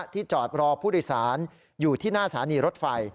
จอดรอผู้โดยสารอยู่ที่หน้าสถานีรถไฟ